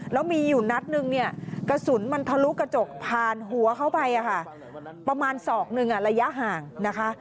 แล้วมีอยู่นัดนึงเนี่ยกระสุนมันทะลุกระจกผ่านหัวเข้าไปประมาณศอกหนึ่งระยะห่างนะคะ